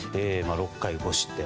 ６回５失点。